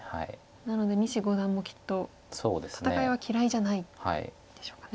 なので西五段もきっと戦いは嫌いじゃないんでしょうかね。